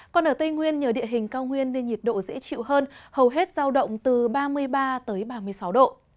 còn ở tây nguyên nhờ địa hình cao nguyên nên nhiệt độ dễ chịu hơn hầu hết giao động từ ba mươi ba ba mươi sáu độ